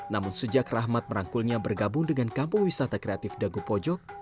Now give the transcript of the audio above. namun sejak rahmat merangkulnya bergabung dengan kampung wisata kreatif dagu pojok